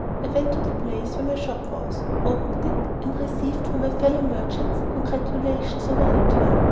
I went to the place where my shop was, opened it, and received from my fellow merchants congratulations on my return.